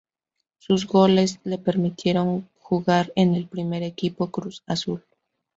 Sus goles le permitieron jugar en el primer equipo Cruz Azul.